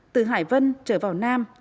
từ hải vân trở vào nam